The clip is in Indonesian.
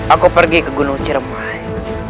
aku pergi ke gunung ciremai